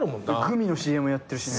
グミのＣＭやってるしね。